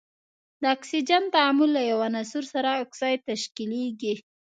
د اکسیجن تعامل له یو عنصر سره اکساید تشکیلیږي.